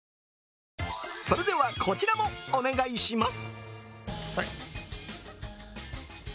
それではこちらもお願いします。